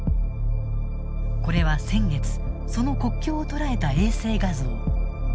これは先月その国境を捉えた衛星画像。